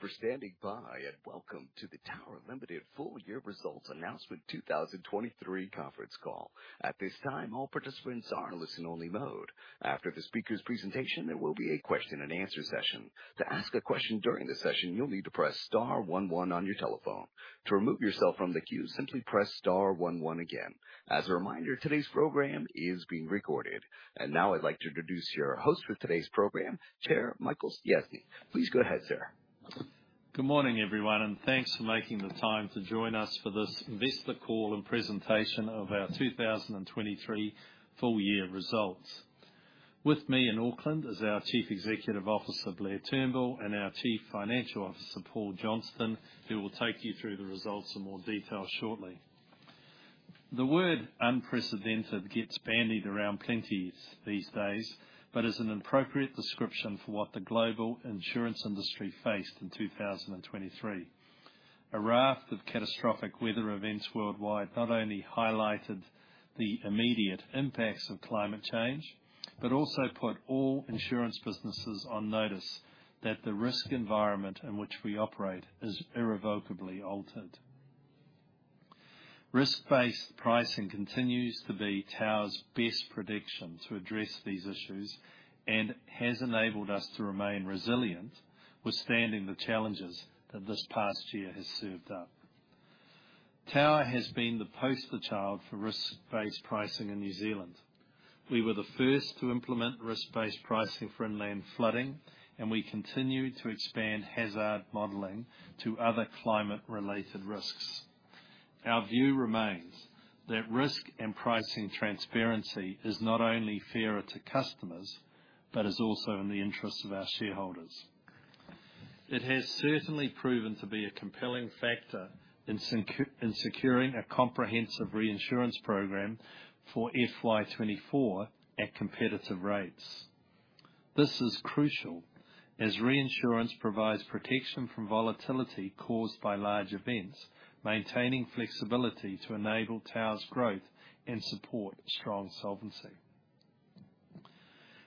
For standing by, and welcome to the Tower Limited Full Year Results Announcement 2023 conference call. At this time, all participants are in listen-only mode. After the speaker's presentation, there will be a question and answer session. To ask a question during the session, you'll need to press star one one on your telephone. To remove yourself from the queue, simply press star one one again. As a reminder, today's program is being recorded. Now I'd like to introduce your host for today's program, Chairman Michael Stiassny. Please go ahead, sir. Good morning, everyone, and thanks for making the time to join us for this investor call and presentation of our 2023 full year results. With me in Auckland is our Chief Executive Officer, Blair Turnbull, and our Chief Financial Officer, Paul Johnston, who will take you through the results in more detail shortly. The word unprecedented gets bandied around plenty these days, but is an appropriate description for what the global insurance industry faced in 2023. A raft of catastrophic weather events worldwide not only highlighted the immediate impacts of climate change, but also put all insurance businesses on notice that the risk environment in which we operate is irrevocably altered. Risk-based pricing continues to be Tower's best prediction to address these issues and has enabled us to remain resilient, withstanding the challenges that this past year has served up. Tower has been the poster child for risk-based pricing in New Zealand. We were the first to implement risk-based pricing for inland flooding, and we continue to expand hazard modeling to other climate-related risks. Our view remains that risk and pricing transparency is not only fairer to customers, but is also in the interests of our shareholders. It has certainly proven to be a compelling factor in securing a comprehensive reinsurance program for FY 2024 at competitive rates. This is crucial as reinsurance provides protection from volatility caused by large events, maintaining flexibility to enable Tower's growth and support strong solvency.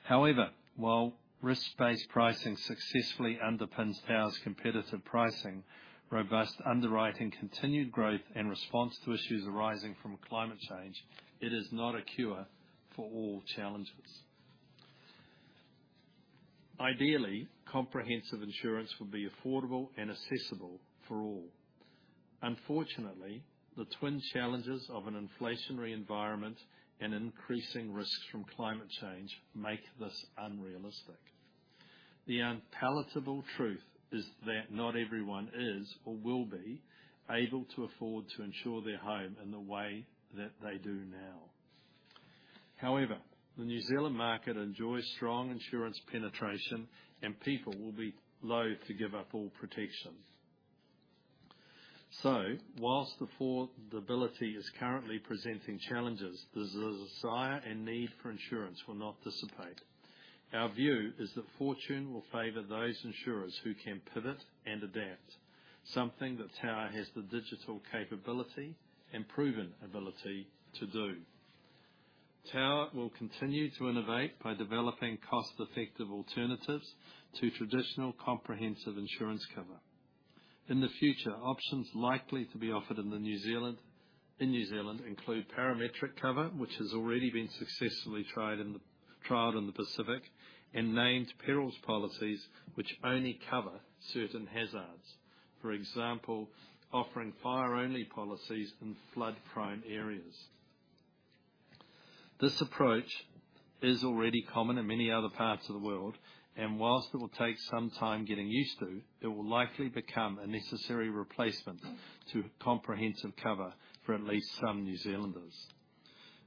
However, while risk-based pricing successfully underpins Tower's competitive pricing, robust underwriting, continued growth and response to issues arising from climate change, it is not a cure for all challenges. Ideally, comprehensive insurance will be affordable and accessible for all. Unfortunately, the twin challenges of an inflationary environment and increasing risks from climate change make this unrealistic. The unpalatable truth is that not everyone is or will be able to afford to insure their home in the way that they do now. However, the New Zealand market enjoys strong insurance penetration, and people will be loath to give up all protection. So while affordability is currently presenting challenges, the desire and need for insurance will not dissipate. Our view is that fortune will favor those insurers who can pivot and adapt, something that Tower has the digital capability and proven ability to do. Tower will continue to innovate by developing cost-effective alternatives to traditional comprehensive insurance cover. In the future, options likely to be offered in New Zealand include parametric cover, which has already been successfully tried in the Pacific, and named perils policies which only cover certain hazards. For example, offering fire-only policies in flood-prone areas. This approach is already common in many other parts of the world, and while it will take some time getting used to, it will likely become a necessary replacement to comprehensive cover for at least some New Zealanders.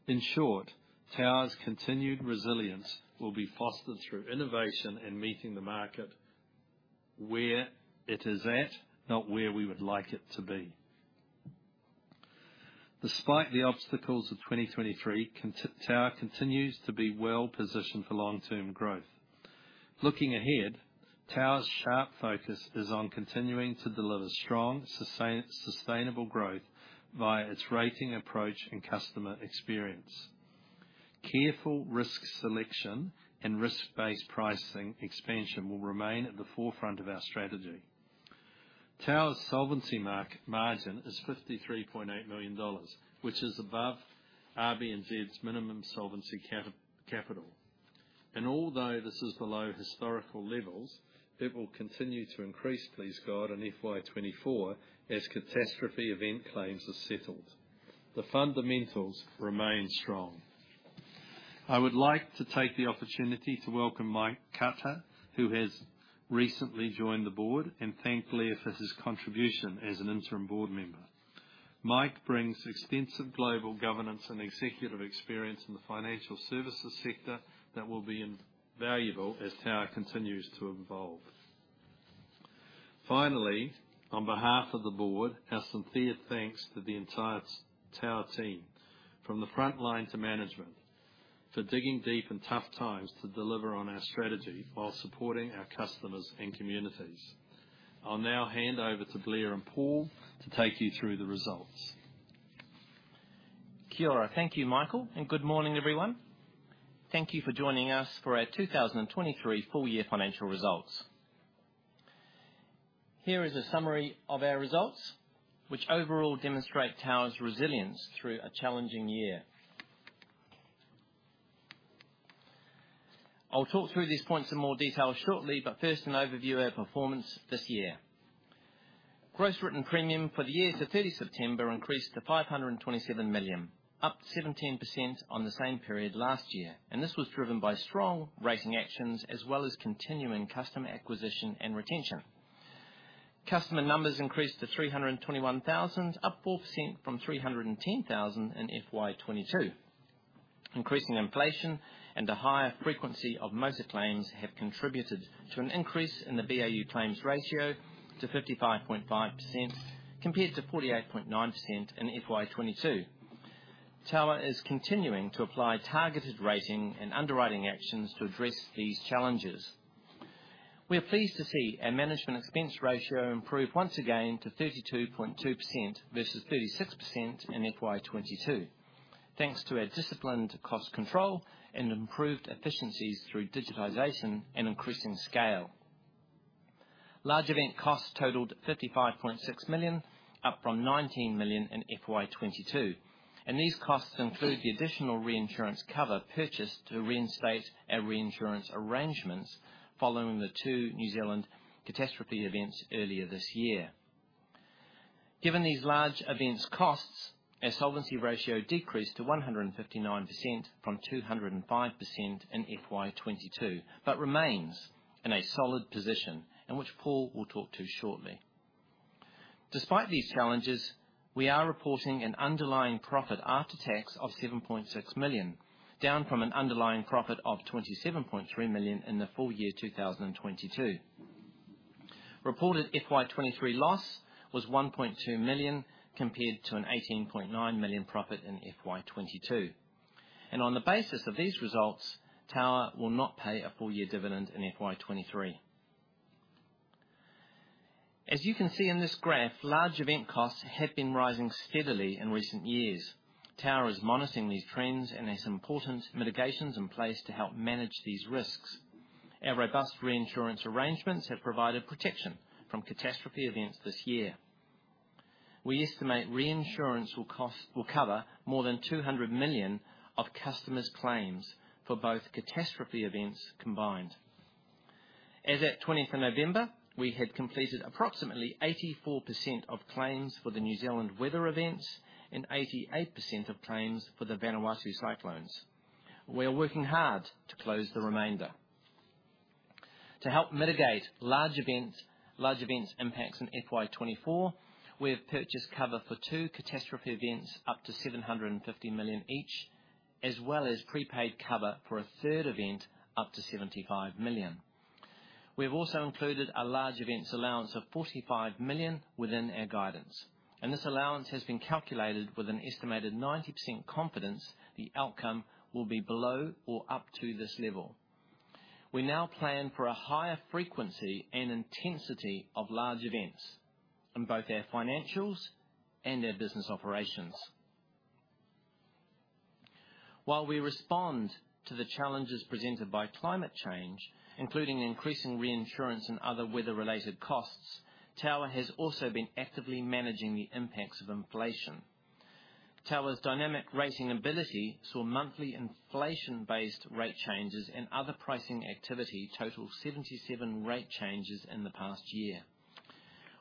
In short, Tower's continued resilience will be fostered through innovation and meeting the market where it is at, not where we would like it to be. Despite the obstacles of 2023, Tower continues to be well positioned for long-term growth. Looking ahead, Tower's sharp focus is on continuing to deliver strong sustainable growth via its rating approach, and customer experience. Careful risk selection and risk-based pricing expansion will remain at the forefront of our strategy. Tower's solvency margin is NZD 53.8 million, which is above RBNZ's minimum solvency capital. Although this is below historical levels, it will continue to increase, please, God, in FY 2024 as catastrophe event claims are settled. The fundamentals remain strong. I would like to take the opportunity to welcome Mike Cutter, who has recently joined the board, and thank Blair for his contribution as an interim board member. Mike brings extensive global governance and executive experience in the financial services sector that will be invaluable as Tower continues to evolve. Finally, on behalf of the board, our sincere thanks to the entire Tower team, from the front line to management, for digging deep in tough times to deliver on our strategy while supporting our customers and communities. I'll now hand over to Blair and Paul to take you through the results. Kia ora! Thank you, Michael, and good morning, everyone. Thank you for joining us for our 2023 full year financial results. Here is a summary of our results, which overall demonstrate Tower's resilience through a challenging year. I'll talk through these points in more detail shortly, but first, an overview of our performance this year. Gross Written Premium for the year to September 30 increased to 527 million, up 17% on the same period last year, and this was driven by strong rating actions as well as continuing customer acquisition and retention. Customer numbers increased to 321,000, up 4% from 310,000 in FY 2022. Increasing inflation and a higher frequency of motor claims have contributed to an increase in the BAU claims ratio to 55.5%, compared to 48.9% in FY 2022. Tower is continuing to apply targeted rating and underwriting actions to address these challenges. We are pleased to see our management expense ratio improve once again to 32.2% versus 36% in FY 2022, thanks to our disciplined cost control and improved efficiencies through digitization and increasing scale. Large event costs totaled 55.6 million, up from 19 million in FY 2022, and these costs include the additional reinsurance cover purchased to reinstate our reinsurance arrangements following the two New Zealand catastrophe events earlier this year. Given these large events' costs, our solvency ratio decreased to 159% from 205% in FY 2022, but remains in a solid position, and which Paul will talk to shortly. Despite these challenges, we are reporting an underlying profit after tax of 7.6 million, down from an underlying profit of 27.3 million in the full year 2022. Reported FY 2023 loss was 1.2 million, compared to an 18.9 million profit in FY 2022. On the basis of these results, Tower will not pay a full year dividend in FY 2023. As you can see in this graph, large event costs have been rising steadily in recent years. Tower is monitoring these trends and has important mitigations in place to help manage these risks. Our robust reinsurance arrangements have provided protection from catastrophe events this year. We estimate reinsurance will cover more than 200 million of customers' claims for both catastrophe events combined. As at November 20, we had completed approximately 84% of claims for the New Zealand weather events and 88% of claims for the Vanuatu cyclones. We are working hard to close the remainder. To help mitigate large events, large events impacts in FY 2024, we have purchased cover for two catastrophe events, up to 750 million each, as well as prepaid cover for a third event, up to 75 million. We have also included a large events allowance of 45 million within our guidance, and this allowance has been calculated with an estimated 90% confidence the outcome will be below or up to this level. We now plan for a higher frequency and intensity of large events in both our financials and our business operations. While we respond to the challenges presented by climate change, including increasing reinsurance and other weather-related costs, Tower has also been actively managing the impacts of inflation. Tower's dynamic rating ability saw monthly inflation-based rate changes and other pricing activity total 77 rate changes in the past year.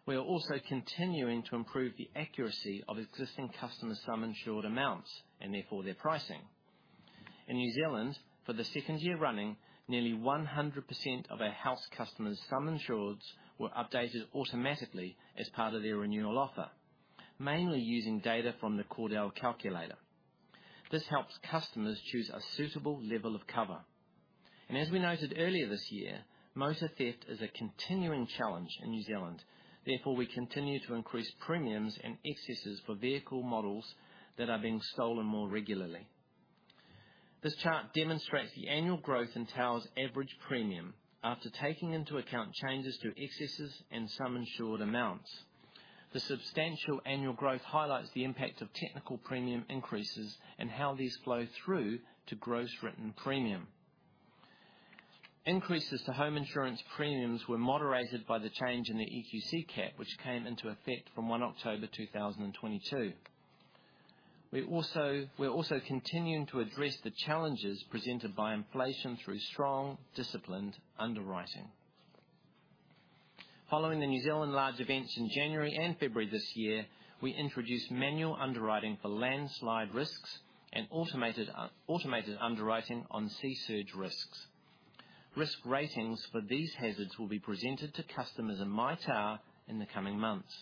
We are also continuing to improve the accuracy of existing customer sum insured amounts and therefore their pricing. In New Zealand, for the second year running, nearly 100% of our house customers' sum insureds were updated automatically as part of their renewal offer, mainly using data from the Cordell Calculator. This helps customers choose a suitable level of cover. And as we noted earlier this year, motor theft is a continuing challenge in New Zealand. Therefore, we continue to increase premiums and excesses for vehicle models that are being stolen more regularly. This chart demonstrates the annual growth in Tower's average premium after taking into account changes through excesses and sum insured amounts. The substantial annual growth highlights the impact of technical premium increases and how these flow through to gross written premium. Increases to home insurance premiums were moderated by the change in the EQC cap, which came into effect from 1 October 2022. We're also, we're also continuing to address the challenges presented by inflation through strong, disciplined underwriting. Following the New Zealand large events in January and February this year, we introduced manual underwriting for landslide risks and automated, automated underwriting on sea surge risks. Risk ratings for these hazards will be presented to customers in My Tower in the coming months.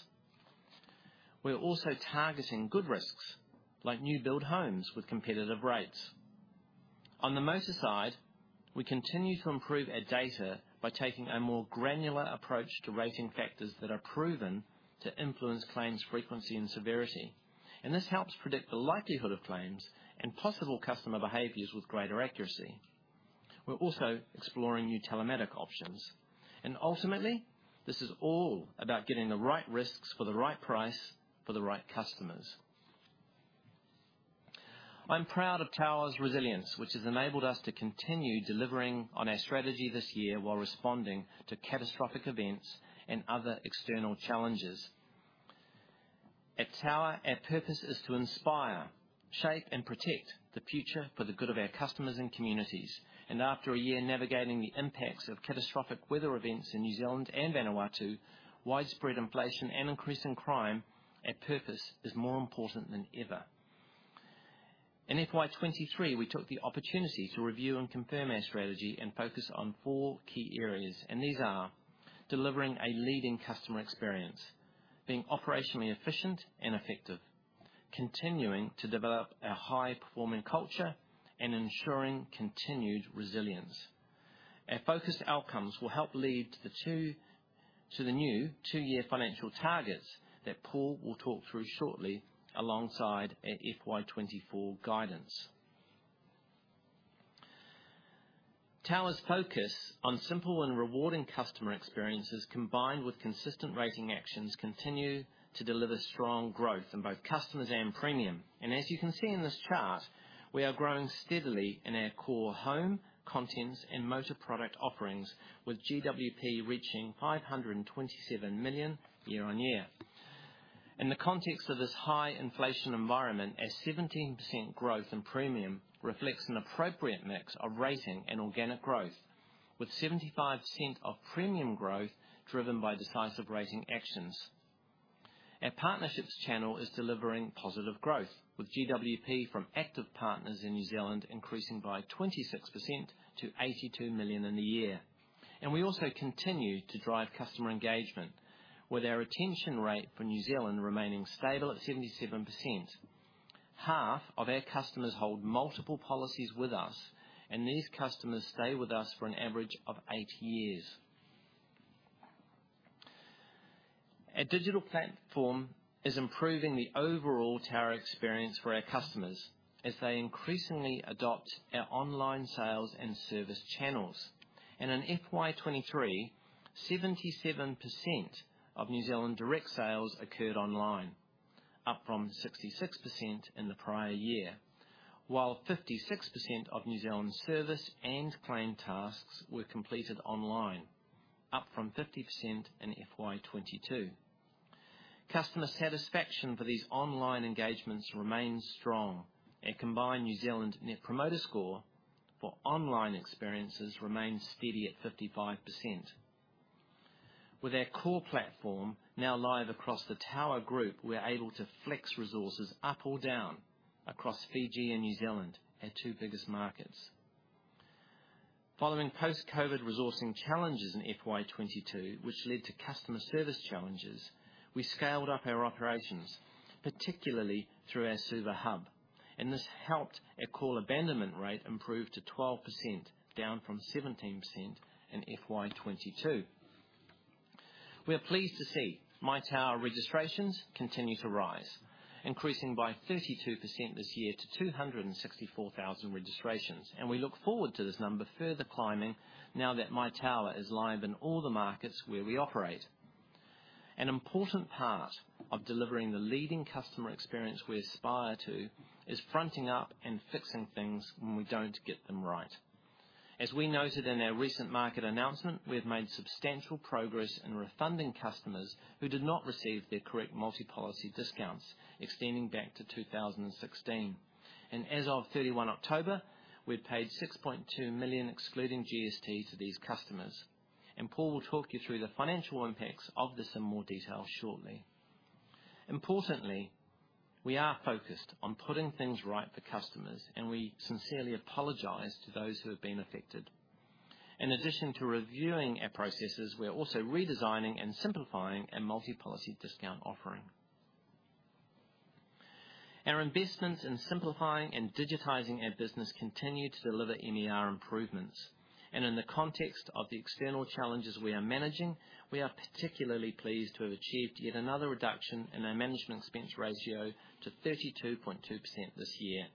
We are also targeting good risks, like new build homes with competitive rates. On the motor side, we continue to improve our data by taking a more granular approach to rating factors that are proven to influence claims, frequency, and severity. This helps predict the likelihood of claims and possible customer behaviors with greater accuracy. We're also exploring new telematics options, and ultimately, this is all about getting the right risks for the right price, for the right customers. I'm proud of Tower's resilience, which has enabled us to continue delivering on our strategy this year while responding to catastrophic events and other external challenges. At Tower, our purpose is to inspire, shape, and protect the future for the good of our customers and communities. After a year navigating the impacts of catastrophic weather events in New Zealand and Vanuatu, widespread inflation and increasing crime, our purpose is more important than ever. In FY 2023, we took the opportunity to review and confirm our strategy and focus on four key areas, and these are: delivering a leading customer experience, being operationally efficient and effective, continuing to develop our high-performing culture, and ensuring continued resilience. Our focused outcomes will help lead to the new 2-year financial targets that Paul will talk through shortly, alongside our FY 2024 guidance. Tower's focus on simple and rewarding customer experiences, combined with consistent rating actions, continue to deliver strong growth in both customers and premium. As you can see in this chart, we are growing steadily in our core home, contents, and motor product offerings, with GWP reaching 527 million year-on-year. In the context of this high inflation environment, our 17% growth in premium reflects an appropriate mix of rating and organic growth, with 75% of premium growth driven by decisive rating actions. Our partnerships channel is delivering positive growth, with GWP from active partners in New Zealand increasing by 26% to 82 million in the year. We also continue to drive customer engagement, with our retention rate for New Zealand remaining stable at 77%. Half of our customers hold multiple policies with us, and these customers stay with us for an average of eight years. Our digital platform is improving the overall Tower experience for our customers as they increasingly adopt our online sales and service channels. In FY 2023, 77% of New Zealand direct sales occurred online, up from 66% in the prior-year, while 56% of New Zealand service and claim tasks were completed online, up from 50% in FY 2022. Customer satisfaction for these online engagements remains strong. Our combined New Zealand Net Promoter Score for online experiences remains steady at 55%. With our core platform now live across the Tower Group, we're able to flex resources up or down across Fiji and New Zealand, our two biggest markets. Following post-COVID resourcing challenges in FY 22, which led to customer service challenges, we scaled up our operations, particularly through our Suva hub, and this helped our call abandonment rate improve to 12%, down from 17% in FY 22. We are pleased to see My Tower registrations continue to rise, increasing by 32% this year to 264,000 registrations, and we look forward to this number further climbing now that My Tower is live in all the markets where we operate. An important part of delivering the leading customer experience we aspire to, is fronting up and fixing things when we don't get them right. As we noted in our recent market announcement, we have made substantial progress in refunding customers who did not receive their correct multi-policy discounts extending back to 2016. As of October 31, we've paid 6.2 million, excluding GST, to these customers. Paul will talk you through the financial impacts of this in more detail shortly. Importantly, we are focused on putting things right for customers, and we sincerely apologize to those who have been affected. In addition to reviewing our processes, we are also redesigning and simplifying our multi-policy discount offering. Our investments in simplifying and digitizing our business continue to deliver MER improvements. In the context of the external challenges we are managing, we are particularly pleased to have achieved yet another reduction in our management expense ratio to 32.2% this year.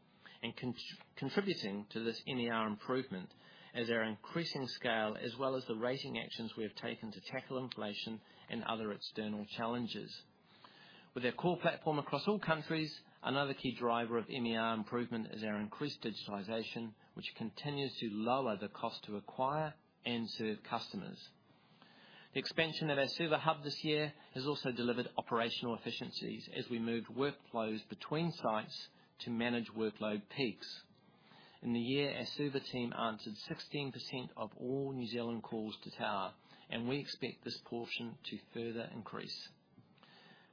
Contributing to this MER improvement is our increasing scale, as well as the rating actions we have taken to tackle inflation and other external challenges. With our core platform across all countries, another key driver of MER improvement is our increased digitization, which continues to lower the cost to acquire and serve customers. The expansion of our Suva hub this year has also delivered operational efficiencies as we move workflows between sites to manage workload peaks. In the year, our Suva team answered 16% of all New Zealand calls to Tower, and we expect this portion to further increase.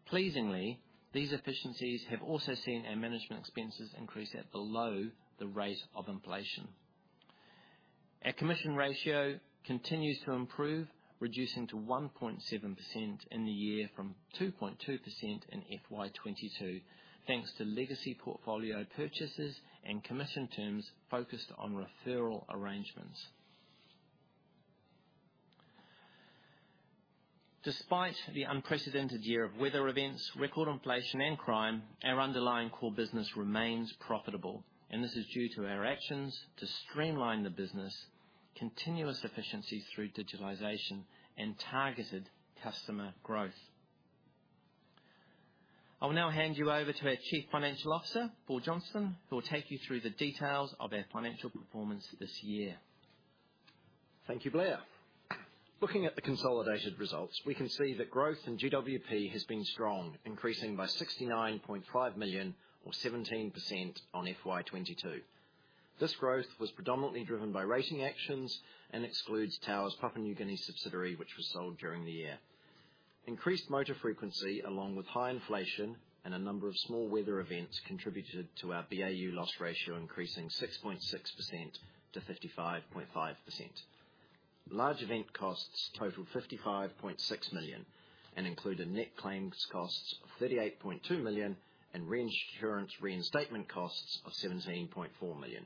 Pleasingly, these efficiencies have also seen our management expenses increase at below the rate of inflation. Our commission ratio continues to improve, reducing to 1.7% in the year from 2.2% in FY 2022, thanks to legacy portfolio purchases and commission terms focused on referral arrangements. Despite the unprecedented year of weather events, record inflation and crime, our underlying core business remains profitable, and this is due to our actions to streamline the business, continuous efficiencies through digitalization, and targeted customer growth. I'll now hand you over to our Chief Financial Officer, Paul Johnston, who will take you through the details of our financial performance this year. Thank you, Blair. Looking at the consolidated results, we can see that growth in GWP has been strong, increasing by 69.5 million, or 17% on FY 2022. This growth was predominantly driven by rating actions and excludes Tower's Papua New Guinea subsidiary, which was sold during the year. Increased motor frequency, along with high inflation and a number of small weather events, contributed to our BAU loss ratio, increasing 6.6% to 55.5%. Large event costs totaled 55.6 million and included net claims costs of 38.2 million and reinsurance reinstatement costs of 17.4 million.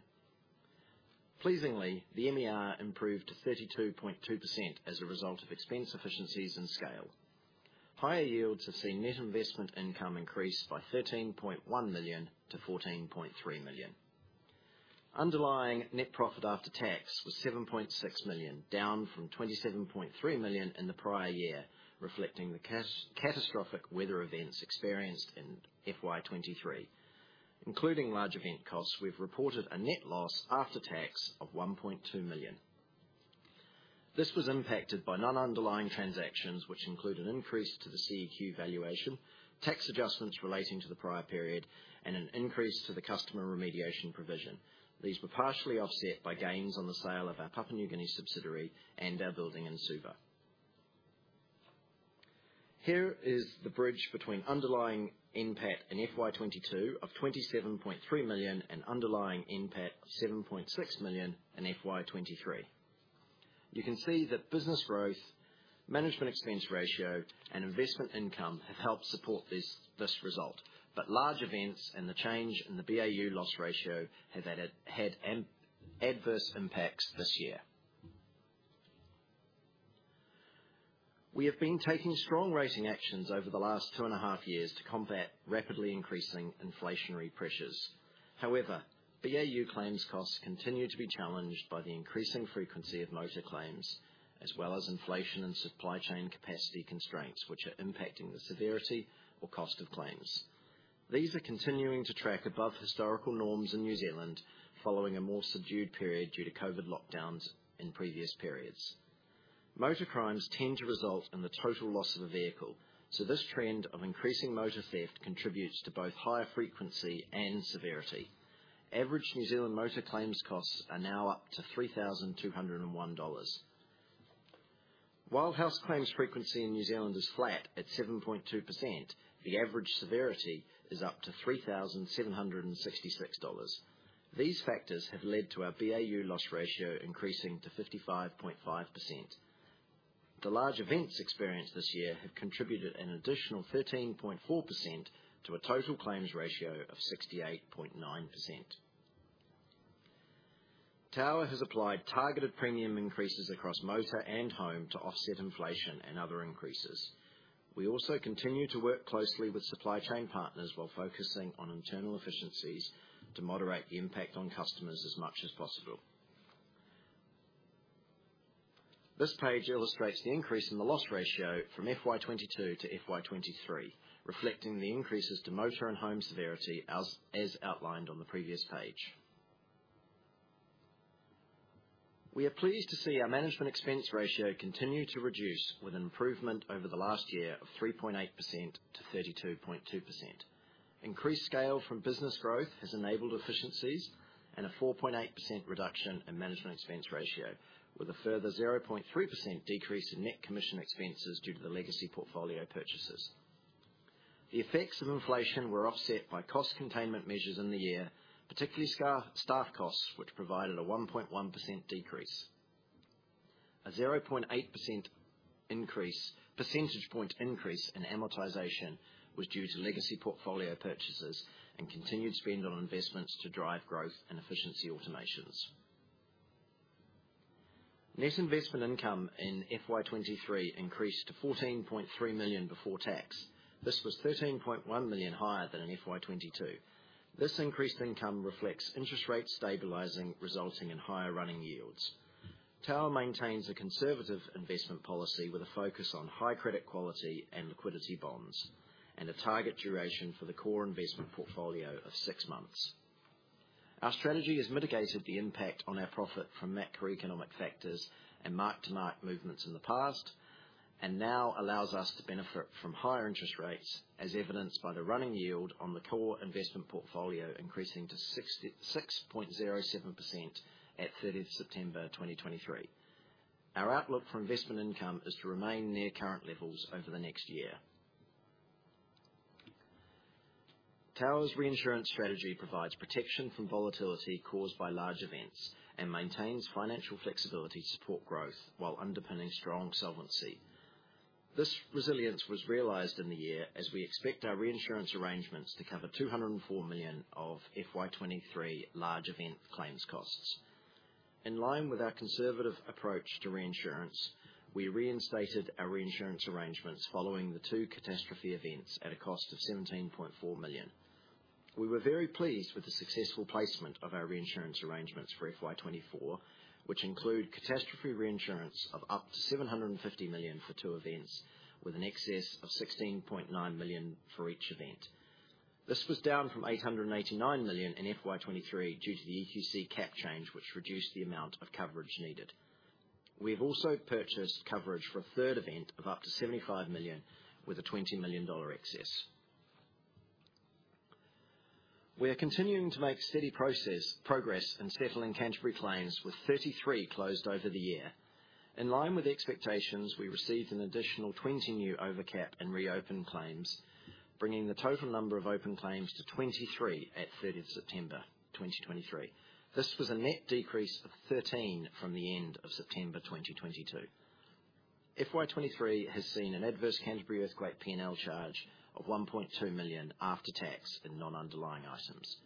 Pleasingly, the MER improved to 32.2% as a result of expense efficiencies and scale. Higher yields have seen net investment income increase by NZD 13.1 million to NZD 14.3 million. Underlying net profit after tax was NZD 7.6 million, down from NZD 27.3 million in the prior-year, reflecting the catastrophic weather events experienced in FY 2023. Including large event costs, we've reported a net loss after tax of 1.2 million. This was impacted by non-underlying transactions, which include an increase to the CEQ valuation, tax adjustments relating to the prior period, and an increase to the customer remediation provision. These were partially offset by gains on the sale of our Papua New Guinea subsidiary and our building in Suva. Here is the bridge between underlying NPAT and FY 2022 of NZD 27.3 million and underlying NPAT of NZD 7.6 million in FY 2023. You can see that business growth, management expense ratio, and investment income have helped support this result, but large events and the change in the BAU loss ratio had an adverse impact this year. We have been taking strong rating actions over the last two and a half years to combat rapidly increasing inflationary pressures. However, BAU claims costs continue to be challenged by the increasing frequency of motor claims, as well as inflation and supply chain capacity constraints, which are impacting the severity or cost of claims. These are continuing to track above historical norms in New Zealand, following a more subdued period due to COVID lockdowns in previous periods. Motor claims tend to result in the total loss of a vehicle, so this trend of increasing motor theft contributes to both higher frequency and severity. Average New Zealand motor claims costs are now up to 3,201 dollars. While house claims frequency in New Zealand is flat at 7.2%, the average severity is up to 3,766 dollars. These factors have led to our BAU loss ratio increasing to 55.5%. The large events experienced this year have contributed an additional 13.4% to a total claims ratio of 68.9%. Tower has applied targeted premium increases across motor and home to offset inflation and other increases. We also continue to work closely with supply chain partners while focusing on internal efficiencies to moderate the impact on customers as much as possible. This page illustrates the increase in the loss ratio from FY 2022 to FY 2023, reflecting the increases to motor and home severity as outlined on the previous page. We are pleased to see our management expense ratio continue to reduce, with an improvement over the last year of 3.8% to 32.2%. Increased scale from business growth has enabled efficiencies and a 4.8% reduction in management expense ratio, with a further 0.3% decrease in net commission expenses due to the legacy portfolio purchases. The effects of inflation were offset by cost containment measures in the year, particularly staff costs, which provided a 1.1% decrease. A 0.8 percentage point increase in amortization was due to legacy portfolio purchases and continued spend on investments to drive growth and efficiency automations. Net investment income in FY 2023 increased to NZD 14.3 million before tax. This was NZD 13.1 million higher than in FY 2022. This increased income reflects interest rates stabilizing, resulting in higher running yields. Tower maintains a conservative investment policy with a focus on high credit quality and liquidity bonds, and a target duration for the core investment portfolio of six months. Our strategy has mitigated the impact on our profit from macroeconomic factors and mark-to-market movements in the past, and now allows us to benefit from higher interest rates, as evidenced by the running yield on the core investment portfolio increasing to 66.07% at 30th September 2023. Our outlook for investment income is to remain near current levels over the next year. Tower's reinsurance strategy provides protection from volatility caused by large events and maintains financial flexibility to support growth while underpinning strong solvency. This resilience was realized in the year as we expect our reinsurance arrangements to cover 204 million of FY 2023 large event claims costs. In line with our conservative approach to reinsurance, we reinstated our reinsurance arrangements following the two catastrophe events at a cost of 17.4 million. We were very pleased with the successful placement of our reinsurance arrangements for FY 2024, which include catastrophe reinsurance of up to 750 million for two events, with an excess of 16.9 million for each event. This was down from 889 million in FY 2023 due to the EQC cap change, which reduced the amount of coverage needed. We have also purchased coverage for a third event of up to 75 million, with a 20 million dollar excess. We are continuing to make steady progress in settling Canterbury claims, with 33 closed over the year. In line with expectations, we received an additional 20 new overcap and reopened claims, bringing the total number of open claims to 23 at September 30, 2023. This was a net decrease of 13 from the end of September 2022. FY 2023 has seen an adverse Canterbury earthquake P&L charge of 1.2 million after tax and non-underlying items.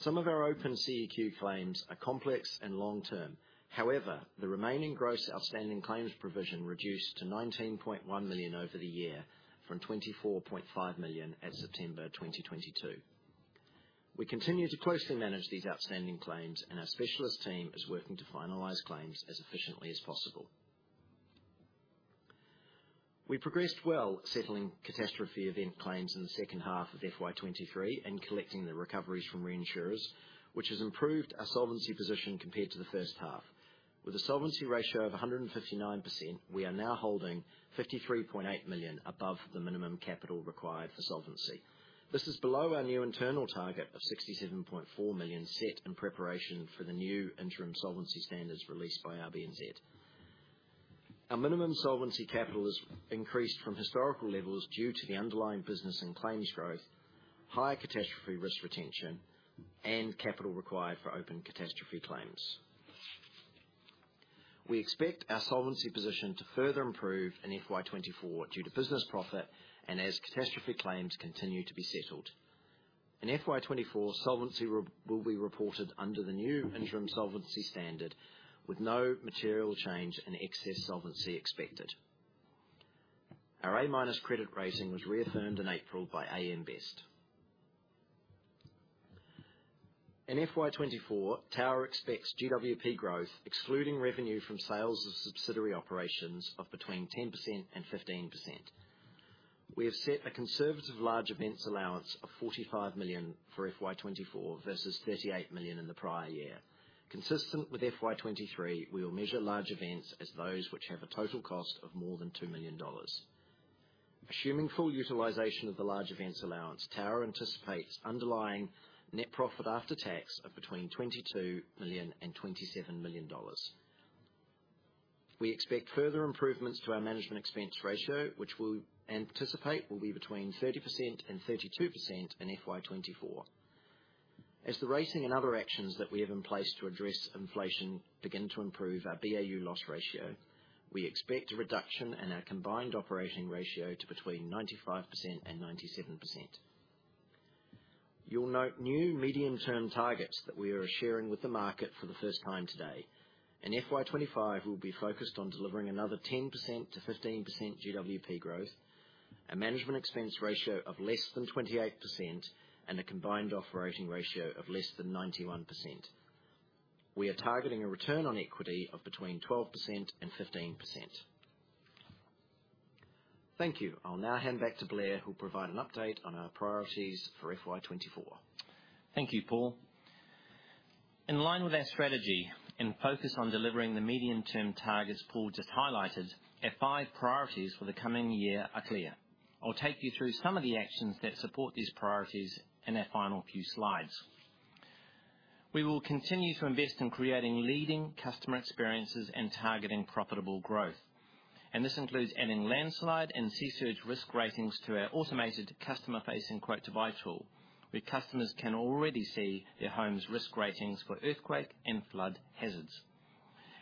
Some of our open CEQ claims are complex and long-term. However, the remaining gross outstanding claims provision reduced to NZD 19.1 million over the year, from NZD 24.5 million at September 2022. We continue to closely manage these outstanding claims, and our specialist team is working to finalize claims as efficiently as possible. We progressed well settling catastrophe event claims in the second half of FY 2023 and collecting the recoveries from reinsurers, which has improved our solvency position compared to the first half. With a solvency ratio of 159%, we are now holding 53.8 million above the minimum capital required for solvency. This is below our new internal target of 67.4 million, set in preparation for the new interim solvency standards released by RBNZ. Our minimum solvency capital has increased from historical levels due to the underlying business and claims growth, higher catastrophe risk retention, and capital required for open catastrophe claims. We expect our solvency position to further improve in FY 2024 due to business profit and as catastrophe claims continue to be settled. In FY 2024, solvency ratio will be reported under the new interim solvency standard, with no material change and excess solvency expected. Our A- credit rating was reaffirmed in April by AM Best. In FY 2024, Tower expects GWP growth, excluding revenue from sales of subsidiary operations, of between 10% and 15%. We have set a conservative large events allowance of 45 million for FY 2024, versus 38 million in the prior-year. Consistent with FY 2023, we will measure large events as those which have a total cost of more than 2 million dollars. Assuming full utilization of the large events allowance, Tower anticipates underlying net profit after tax of between 22 million and 27 million dollars. We expect further improvements to our management expense ratio, which we'll anticipate will be between 30% and 32% in FY 2024. As the rating and other actions that we have in place to address inflation begin to improve our BAU loss ratio, we expect a reduction in our combined operating ratio to between 95% and 97%. You'll note new medium-term targets that we are sharing with the market for the first time today. In FY 2025, we'll be focused on delivering another 10% to 15% GWP growth, a management expense ratio of less than 28%, and a combined operating ratio of less than 91%. We are targeting a return on equity of between 12% and 15%. Thank you. I'll now hand back to Blair, who'll provide an update on our priorities for FY 2024. Thank you, Paul. In line with our strategy and focus on delivering the medium-term targets Paul just highlighted, our five priorities for the coming year are clear. I'll take you through some of the actions that support these priorities in our final few slides. We will continue to invest in creating leading customer experiences and targeting profitable growth, and this includes adding landslide and sea surge risk ratings to our automated customer-facing quote-to-buy tool, where customers can already see their home's risk ratings for earthquake and flood hazards.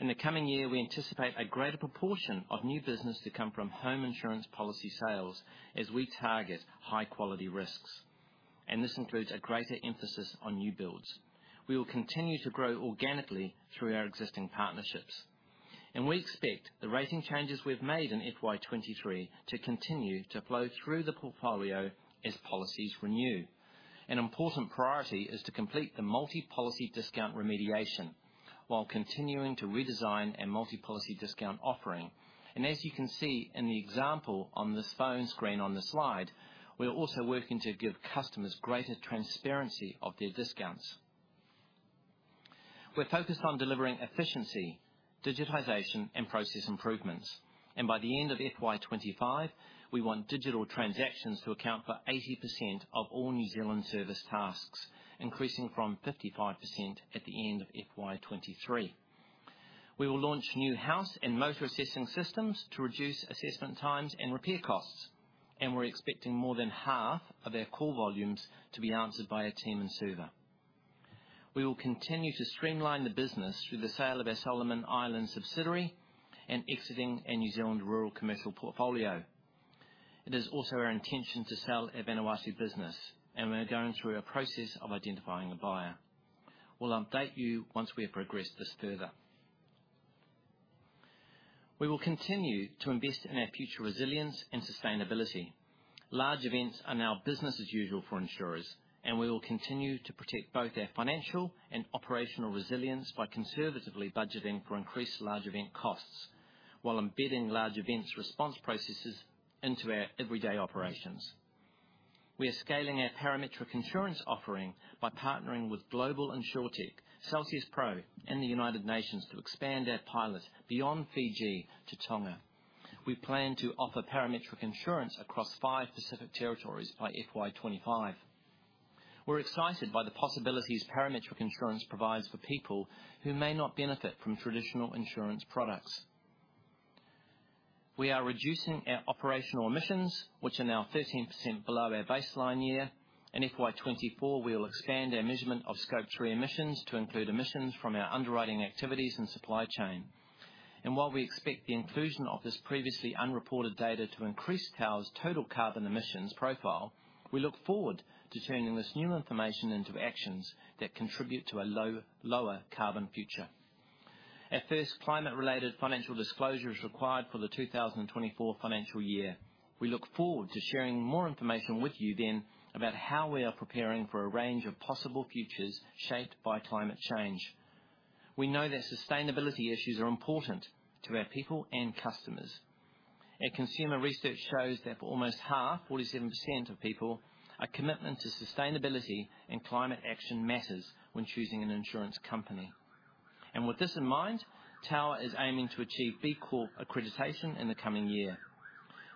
In the coming year, we anticipate a greater proportion of new business to come from home insurance policy sales as we target high-quality risks, and this includes a greater emphasis on new builds. We will continue to grow organically through our existing partnerships, and we expect the rating changes we've made in FY 2023 to continue to flow through the portfolio as policies renew. An important priority is to complete the multi-policy discount remediation while continuing to redesign a multi-policy discount offering. As you can see in the example on this phone screen on the slide, we are also working to give customers greater transparency of their discounts. We're focused on delivering efficiency, digitization, and process improvements, and by the end of FY 2025, we want digital transactions to account for 80% of all New Zealand service tasks, increasing from 55% at the end of FY 2023. We will launch new house and motor assessing systems to reduce assessment times and repair costs, and we're expecting more than half of our call volumes to be answered by a team in Suva. We will continue to streamline the business through the sale of our Solomon Islands subsidiary and exiting our New Zealand rural commercial portfolio. It is also our intention to sell our Vanuatu business, and we are going through a process of identifying a buyer. We'll update you once we have progressed this further. We will continue to invest in our future resilience and sustainability. Large events are now business as usual for insurers, and we will continue to protect both our financial and operational resilience by conservatively budgeting for increased large event costs, while embedding large events response processes into our everyday operations. We are scaling our parametric insurance offering by partnering with Global Insurtech, CelsiusPro, and the United Nations to expand our pilot beyond Fiji to Tonga. We plan to offer parametric insurance across five Pacific territories by FY 2025. We're excited by the possibilities parametric insurance provides for people who may not benefit from traditional insurance products. We are reducing our operational emissions, which are now 13% below our baseline year. In FY 2024, we will expand our measurement of scope three emissions to include emissions from our underwriting activities and supply chain. While we expect the inclusion of this previously unreported data to increase Tower's total carbon emissions profile, we look forward to turning this new information into actions that contribute to a lower carbon future. Our first climate-related financial disclosure is required for the 2024 financial year. We look forward to sharing more information with you then about how we are preparing for a range of possible futures shaped by climate change. We know that sustainability issues are important to our people and customers, and consumer research shows that for almost half, 47% of people, a commitment to sustainability and climate action matters when choosing an insurance company. With this in mind, Tower is aiming to achieve B Corp accreditation in the coming year.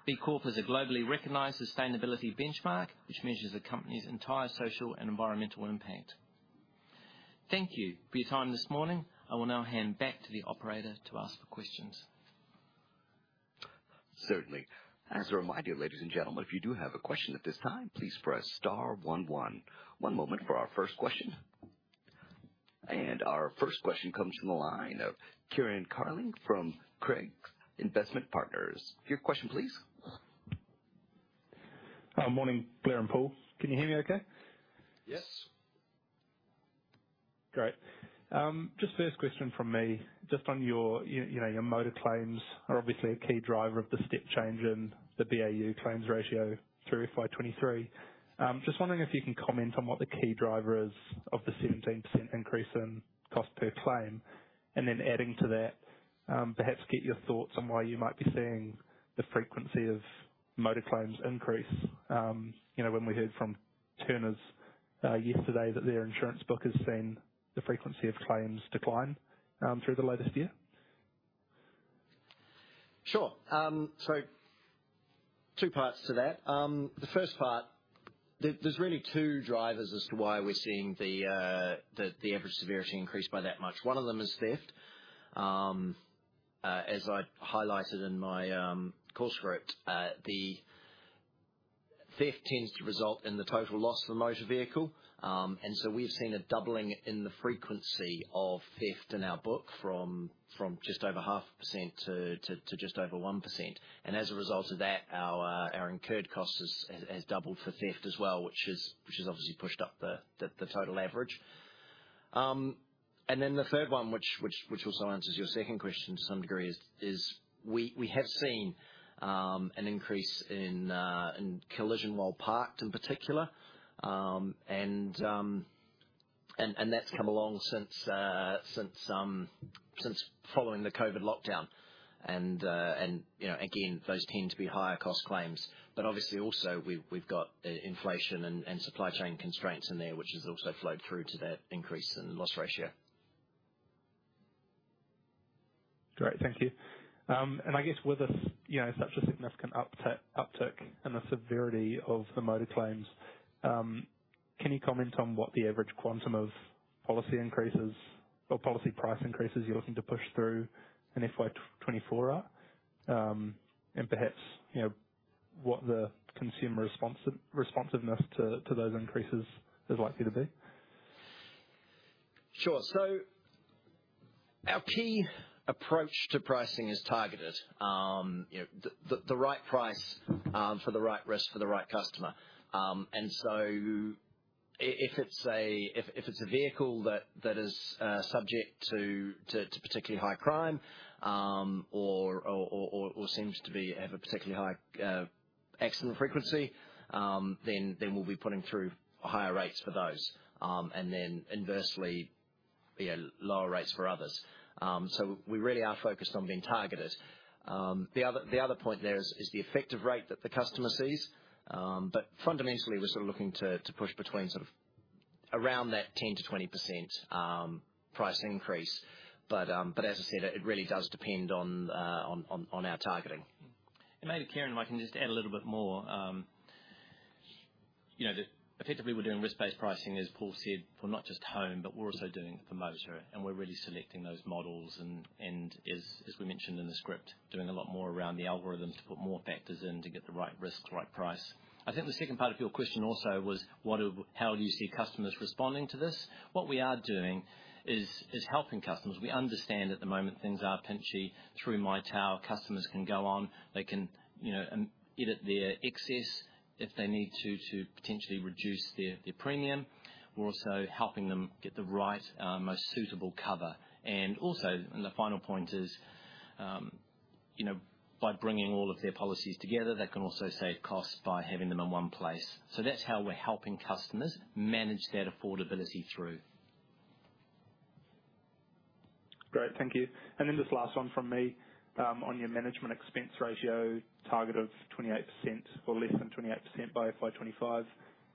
B Corp is a globally recognized sustainability benchmark, which measures a company's entire social and environmental impact. Thank you for your time this morning. I will now hand back to the operator to ask the questions. Certainly. As a reminder, ladies and gentlemen, if you do have a question at this time, please press star one, one. One moment for our first question. Our first question comes from the line of Kieran Carling from Craigs Investment Partners. Your question, please. Morning, Blair and Paul. Can you hear me okay? Yes. Great. Just first question from me, just on your, you know, your motor claims are obviously a key driver of the step change in the BAU claims ratio through FY 2023. Just wondering if you can comment on what the key driver is of the 17% increase in cost per claim. And then adding to that, perhaps get your thoughts on why you might be seeing the frequency of motor claims increase. You know, when we heard from Turners, yesterday, that their insurance book has seen the frequency of claims decline, through the latest year. Sure. So two parts to that. The first part, there's really two drivers as to why we're seeing the average severity increase by that much. One of them is theft. As I highlighted in my call script, the theft tends to result in the total loss of a motor vehicle. And so we've seen a doubling in the frequency of theft in our book from just over 0.5% to just over 1%. And as a result of that, our incurred cost has doubled for theft as well, which has obviously pushed up the total average. And then the third one, which also answers your second question to some degree is we have seen an increase in collision while parked in particular. And that's come along since following the COVID lockdown. And you know, again, those tend to be higher cost claims, but obviously also we've got inflation and supply chain constraints in there, which has also flowed through to that increase in loss ratio. Great. Thank you. And I guess with a, you know, such a significant uptick in the severity of the motor claims, can you comment on what the average quantum of policy increases or policy price increases you're looking to push through in FY 2024 are? And perhaps, you know, what the consumer responsiveness to those increases is likely to be. Sure. So our key approach to pricing is targeted. You know, the right price for the right risk for the right customer. And so if it's a vehicle that is subject to particularly high crime, or seems to be at a particularly high accident frequency, then we'll be putting through higher rates for those. And then inversely, yeah, lower rates for others. So we really are focused on being targeted. The other point there is the effective rate that the customer sees. But fundamentally, we're sort of looking to push between sort of around that 10%-20% price increase. But as I said, it really does depend on our targeting. And maybe, Kieran, if I can just add a little bit more. You know, effectively, we're doing risk-based pricing, as Paul said, for not just home, but we're also doing it for motor. And we're really selecting those models and, as we mentioned in the script, doing a lot more around the algorithms to put more factors in to get the right risk, the right price. I think the second part of your question also was, what are, how do you see customers responding to this? What we are doing is helping customers. We understand at the moment things are pinchy. Through My Tower, customers can go on, they can, you know, edit their excess if they need to, to potentially reduce their premium. We're also helping them get the right, most suitable cover. The final point is, you know, by bringing all of their policies together, they can also save costs by having them in one place. So that's how we're helping customers manage that affordability through. Great. Thank you. And then this last one from me, on your management expense ratio target of 28% or less than 28% by FY 2025.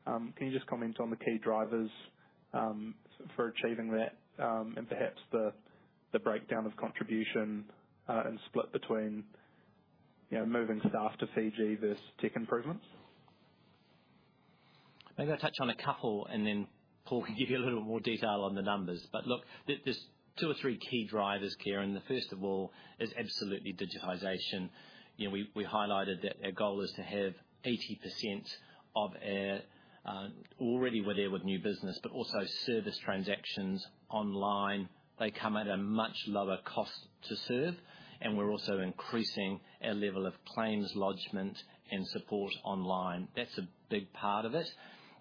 Can you just comment on the key drivers for achieving that, and perhaps the breakdown of contribution and split between, you know, moving staff to Fiji versus tech improvements? Maybe I'll touch on a couple, and then Paul can give you a little more detail on the numbers. But look, there, there's two to three key drivers, Kieran. The first of all is absolutely digitization. You know, we, we highlighted that our goal is to have 80% of our already we're there with new business, but also service transactions online. They come at a much lower cost to serve, and we're also increasing our level of claims lodgment and support online. That's a big part of it.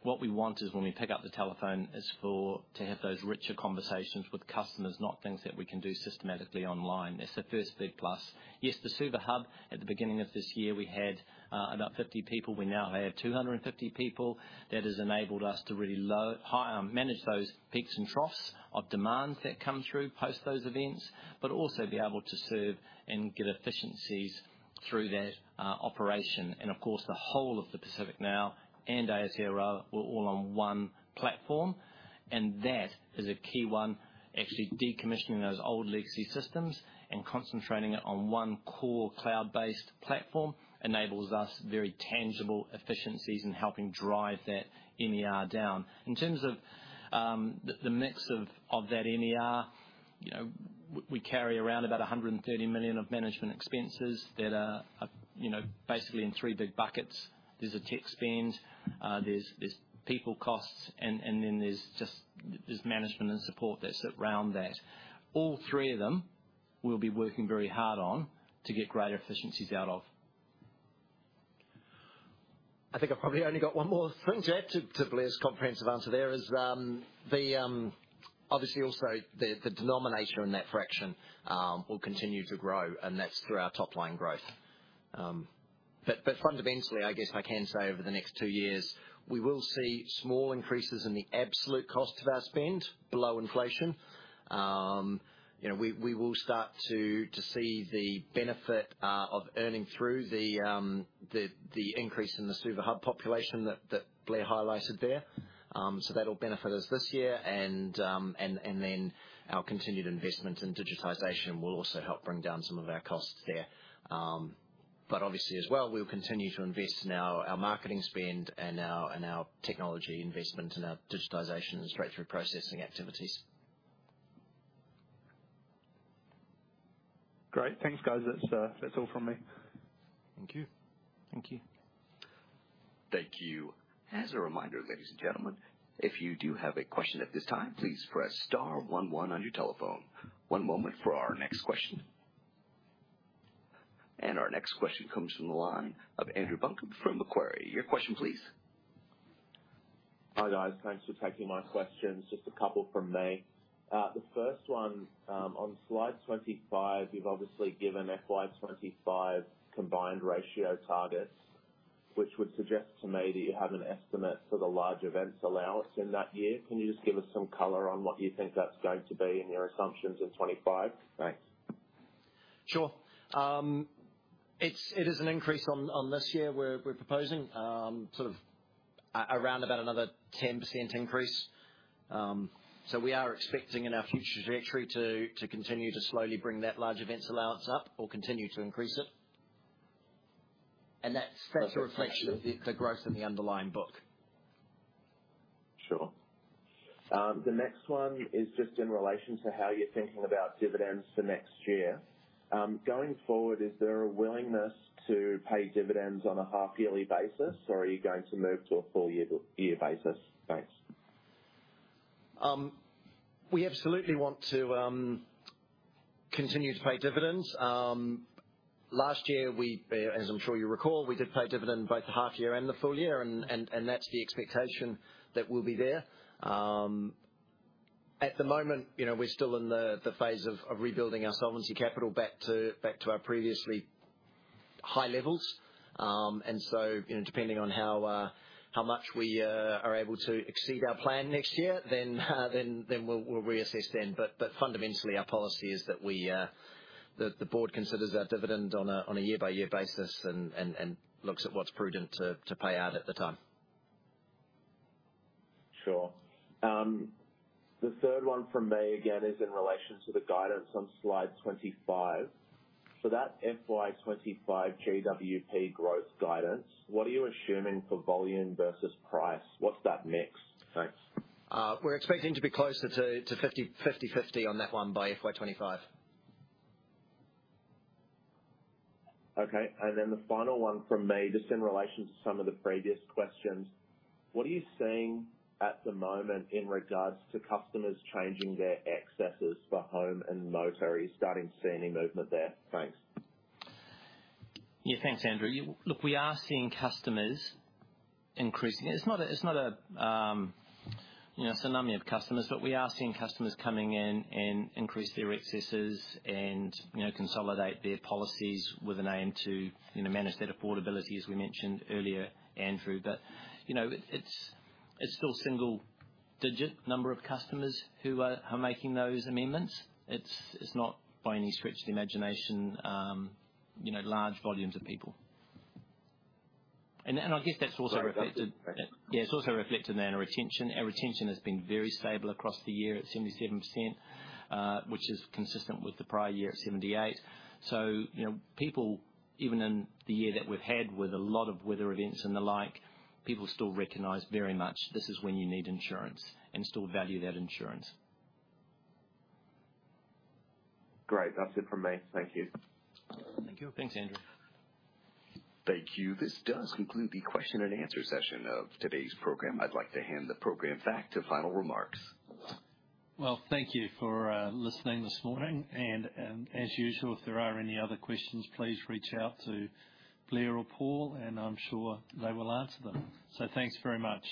What we want is when we pick up the telephone, is for to have those richer conversations with customers, not things that we can do systematically online. That's the first big plus. Yes, the Suva Hub, at the beginning of this year, we had about 50 people. We now have 250 people. That has enabled us to really low, high, manage those peaks and troughs of demands that come through post those events, but also be able to serve and get efficiencies through that operation. And of course, the whole of the Pacific now and ACRC are all on one platform, and that is a key one. Actually, decommissioning those old legacy systems and concentrating it on one core cloud-based platform enables us very tangible efficiencies in helping drive that MER down. In terms of the mix of that MER, you know, we carry around about 130 million of management expenses that are, you know, basically in three big buckets. There's a tech spend, there's people costs, and then there's management and support that sit around that. All three of them, we'll be working very hard on to get greater efficiencies out of. I think I've probably only got one more thing to add to Blair's comprehensive answer there. Obviously, also the denominator in that fraction will continue to grow, and that's through our top-line growth. But fundamentally, I guess I can say over the next two years, we will see small increases in the absolute cost of our spend below inflation. You know, we will start to see the benefit of earning through the increase in the Suva Hub population that Blair highlighted there. So that'll benefit us this year. And then our continued investment in digitization will also help bring down some of our costs there. But obviously as well, we'll continue to invest in our marketing spend and our technology investment, and our digitization, and straight-through processing activities. Great. Thanks, guys. That's, that's all from me. Thank you. Thank you. Thank you. As a reminder, ladies and gentlemen, if you do have a question at this time, please press star one one on your telephone. One moment for our next question. Our next question comes from the line of Andrew Buncombe from Macquarie. Your question please. Hi, guys. Thanks for taking my questions. Just a couple from me. The first one, on slide 25, you've obviously given FY 2025 combined ratio targets, which would suggest to me that you have an estimate for the large events allowance in that year. Can you just give us some color on what you think that's going to be in your assumptions in FY 2025? Thanks. Sure. It is an increase on this year. We're proposing sort of around about another 10% increase. So we are expecting in our future trajectory to continue to slowly bring that large events allowance up or continue to increase it. And that's a reflection of the growth in the underlying book. Sure. The next one is just in relation to how you're thinking about dividends for next year. Going forward, is there a willingness to pay dividends on a half-yearly basis, or are you going to move to a full year-to-year basis? Thanks. We absolutely want to continue to pay dividends. Last year, we, as I'm sure you recall, we did pay dividend both the half year and the full year, and that's the expectation that will be there. At the moment, you know, we're still in the phase of rebuilding our solvency capital back to our previously high levels. And so, you know, depending on how much we are able to exceed our plan next year, then we'll reassess then. But fundamentally, our policy is that the board considers our dividend on a year-by-year basis, and looks at what's prudent to pay out at the time. Sure. The third one from me, again, is in relation to the guidance on slide 25. For that FY 2025 GWP growth guidance, what are you assuming for volume versus price? What's that mix? Thanks. We're expecting to be closer to 50/50 on that one by FY 2025. Okay, and then the final one from me, just in relation to some of the previous questions. What are you seeing at the moment in regards to customers changing their excesses for home and motor? Are you starting to see any movement there? Thanks. Yeah, thanks, Andrew. Look, we are seeing customers increasing. It's not a, it's not a, you know, tsunami of customers, but we are seeing customers coming in and increase their excesses and, you know, consolidate their policies with an aim to, you know, manage that affordability, as we mentioned earlier, Andrew. But, you know, it, it's, it's still single-digit number of customers who are making those amendments. It's not by any stretch of the imagination, you know, large volumes of people. And I guess that's also reflected. Sorry about that. Yeah, it's also reflected in our retention. Our retention has been very stable across the year at 77%, which is consistent with the prior-year at 78%. So, you know, people, even in the year that we've had with a lot of weather events and the like, people still recognize very much this is when you need insurance and still value that insurance. Great. That's it from me. Thank you. Thank you. Thanks, Andrew. Thank you. This does conclude the question and answer session of today's program. I'd like to hand the program back to final remarks. Well, thank you for listening this morning, and, as usual, if there are any other questions, please reach out to Blair or Paul, and I'm sure they will answer them. So thanks very much.